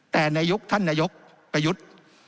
แต่นายกท่านนายกประยุทธิ์